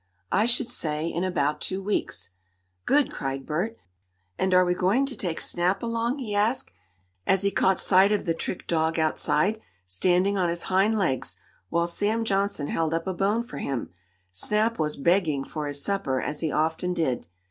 "I should say in about two weeks." "Good!" cried Bert. "And are we going to take Snap along?" he asked, as he caught sight of the trick dog outside, standing on his hind legs, while Sam Johnson held up a bone for him. Snap was "begging" for his supper, as he often did.